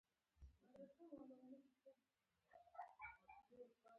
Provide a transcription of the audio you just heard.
د دامن کلی د هلمند ولایت، د مار ولسوالي په ختیځ کې پروت دی.